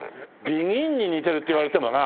ＢＥＧＩＮに似てるっていわれてもな。